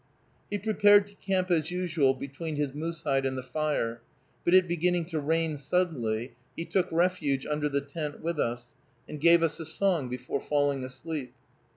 He prepared to camp as usual between his moose hide and the fire; but it beginning to rain suddenly, he took refuge under the tent with us, and gave us a song before falling asleep.